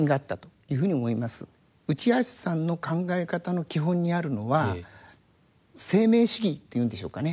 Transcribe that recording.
内橋さんの考え方の基本にあるのは生命主義というんでしょうかね。